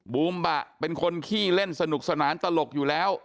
บูมบะเป็นคนขี้เล่นสนุกสนานตลกอยู่แล้ว